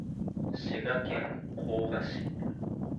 滋賀県甲賀市